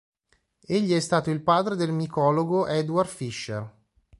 Egli è stato il padre del micologo Eduard Fischer.